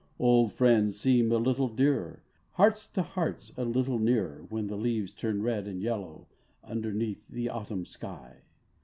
d Old 'friends seem a little dearer; Hearts to Hearts a little nearer, ( ADhen the leases turn red and Ljello^ Underneath the Autumn shij.